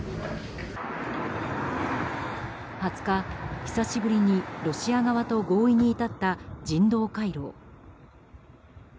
２０日、久しぶりにロシア側と合意に至った人道回廊。